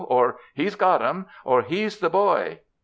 or 'He's got them!' or 'He's the boy!'